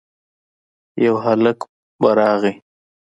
يو هلک په راغی.